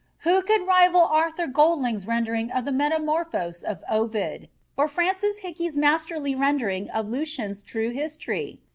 Who could rival Arthur Golding's rendering of the Metamorphoses of Ovid, or Francis Hicke's masterly rendering of Lucian's True History?